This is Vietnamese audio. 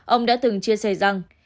ông đã từng chia sẻ rằng